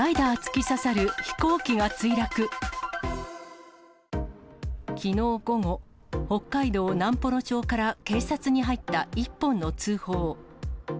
きのう午後、北海道南幌町から警察に入った一本の通報。